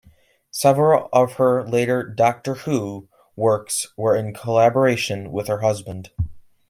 Several of her later "Doctor Who" works were in collaboration with her husband.